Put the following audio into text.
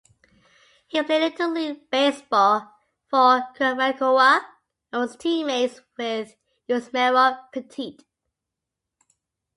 He played Little League Baseball for Cocquivacoa, and was teammates with Yusmeiro Petit.